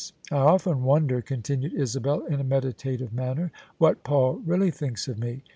" I often wonder," continued Isabel in a meditative man ner, "what Paul really thinks of me.